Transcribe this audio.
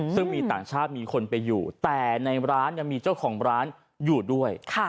ซึ่งมีต่างชาติมีคนไปอยู่แต่ในร้านยังมีเจ้าของร้านอยู่ด้วย